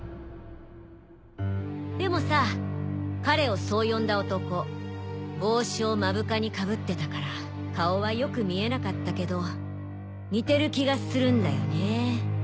でもさ彼をそう呼んだ男帽子を目深に被ってたから顔はよく見えなかったけど似てる気がするんだよね。